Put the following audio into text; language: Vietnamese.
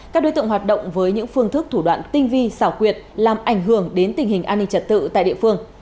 các đối tượng hoạt động với những phương thức thủ đoạn tinh vi xảo quyệt làm ảnh hưởng đến tình hình an ninh trật tự tại địa phương